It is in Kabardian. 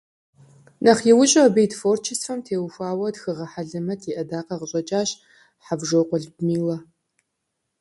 Нэхъ иужьу абы и творчествэм теухуауэ тхыгъэ хьэлэмэт и Ӏэдакъэ къыщӀэкӀащ Хьэвжокъуэ Людмилэ.